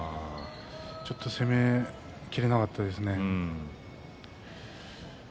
ちょっと攻めきれなかったですね。